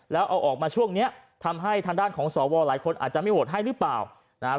แล้วเอาออกมาช่วงนี้ทำให้ทางด้านของสวหลายคนอาจจะไม่โหวตให้หรือเปล่านะครับ